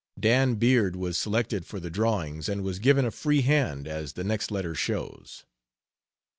Dan Beard was selected for the drawings, and was given a free hand, as the next letter shows.